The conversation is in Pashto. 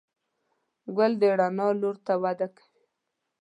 ګل د رڼا لور ته وده کوي.